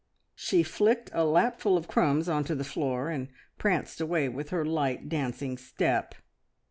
She flicked a lapful of crumbs on to the floor, and pranced away with her light, dancing step.